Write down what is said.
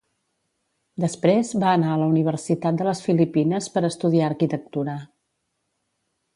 Després, va anar a la universitat de les Filipines per estudiar arquitectura.